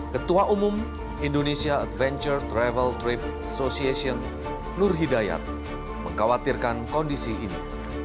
ketua umum indonesia adventure travel trip association nur hidayat mengkhawatirkan kondisi ini